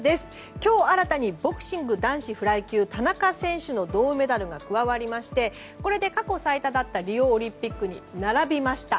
今日、新たに男子ボクシングフライ級の田中選手の銅メダルが加わりましてこれで過去最多だったリオオリンピックに並びました。